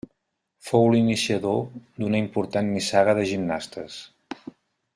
Fou l'iniciador d'una important nissaga de gimnastes.